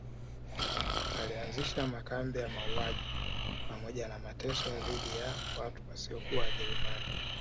Alianzisha makambi ya mauaji pamoja na mateso dhidi ya watu wasiokuwa wajerumani